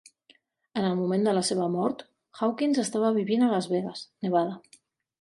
En el moment de la seva mort, Hawkins estava vivint a Las Vegas, Nevada.